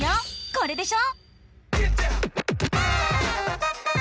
これでしょ？